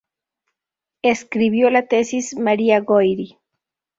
Escribió la tesis "María Goyri.